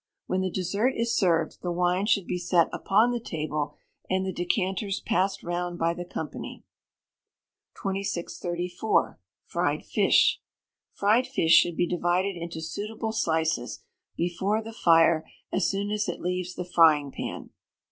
When the dessert is served, the wine should be set upon the table, and the decanters passed round by the company. 2634. Fried Fish. Fried fish should be divided into suitable slices, before the fire, as soon as it leaves the frying pan.